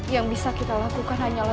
yang bisa kita lakukan hanyalah